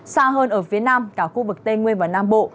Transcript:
xa hơn ở phía nam cả khu vực tây nguyên và nam bộ